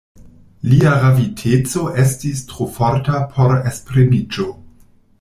Lia raviteco estis tro forta por esprimiĝo.